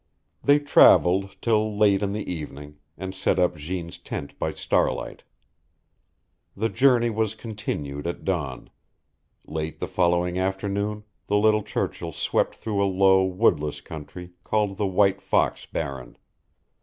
They traveled till late in the evening, and set up Jeanne's tent by starlight. The journey was continued at dawn. Late the following afternoon the Little Churchill swept through a low, woodless country, called the White Fox Barren.